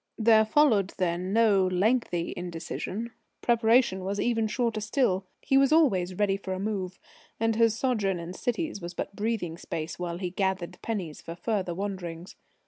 There followed then no lengthy indecision. Preparation was even shorter still. He was always ready for a move, and his sojourn in cities was but breathing space while he gathered pennies for further wanderings.